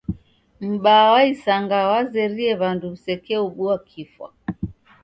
M'baa wa isanga wazerie w'andu w'isekeobua kifwa.